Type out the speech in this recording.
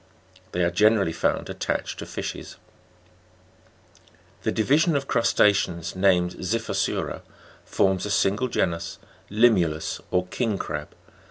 They are generally found attached to fishes 19. The division of crusta'ceans named XI'PHOSURA forms a single genus, Limulus P m or king crab.